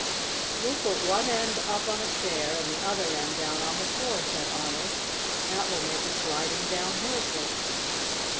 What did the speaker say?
"We'll put one end up on a chair, and the other end down on the floor," said Arnold. "That will make a sliding downhill place."